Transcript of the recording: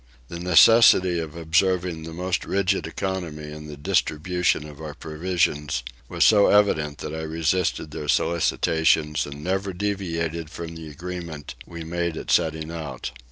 The necessity of observing the most rigid economy in the distribution of our provisions was so evident that I resisted their solicitations and never deviated from the agreement we made at setting out.